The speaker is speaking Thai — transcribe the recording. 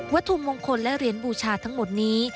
ถุมงคลและเหรียญบูชาทั้งหมดนี้